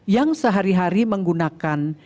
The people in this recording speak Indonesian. yang sehari hari menggunakan